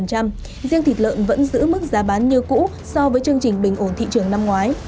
riêng thịt lợn vẫn giữ mức giá bán như cũ so với chương trình bình ổn thị trường năm ngoái